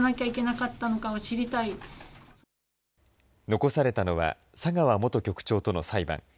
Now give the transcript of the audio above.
残されたのは、佐川元局長との裁判。